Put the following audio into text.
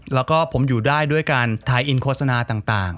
แล้วก็ผมอยู่ได้ด้วยการทายอินโฆษณาต่าง